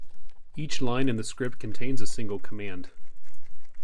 Each line in the script contains a single command.